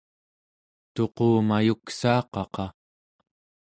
tuqumayuksaaqaqa